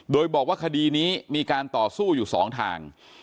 โดยบอกว่าคดีนี้มีการต่อสู้อยู่สองทาง